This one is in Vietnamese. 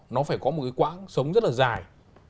nó phải có một cái quãng sống rất là dài